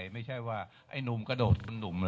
ไม่ใช่ว่าไอ้หนุ่มกระโดดคุณหนุ่ม